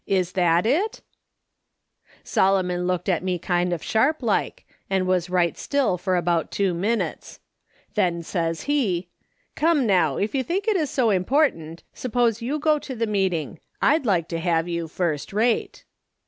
Is that it ?' A SUNDAY SCHOOL CONVENTION. 19 " Solomon looked at me kind of sharp like, and was right still for about tM'o minutes. Then says he :"' Come, now, if 3'ou think it is so important, suppose you go to the meeting ; Td like to have you lirst rate.'